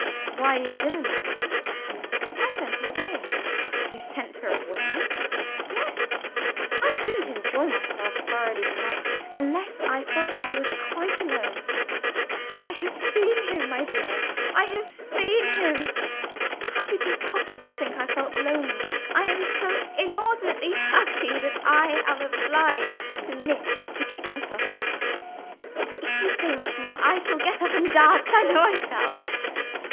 "Why is Zillah not with you?" "I sent her away." "You sent her away?" "Yes! I couldn't enjoy myself thoroughly to night, unless I felt that I was quite alone. I have seen him, my dear I have seen him! How could you possibly think I felt lonely? I am so inordinately happy that I am obliged to knit to keep myself quiet. If you say much more, I shall get up and dance I know I shall!